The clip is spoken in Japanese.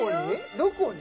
どこに？